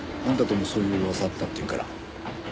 あんたともそういう噂あったっていうから。